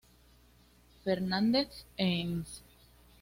Fernández", "Ens.